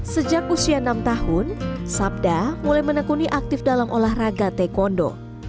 sejak usia enam tahun sabda mulai menekuni aktif dalam olahraga taekwondo